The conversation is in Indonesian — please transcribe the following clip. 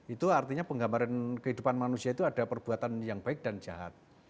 itu artinya penggambaran kehidupan manusia itu ada perbuatan yang baik dan jahat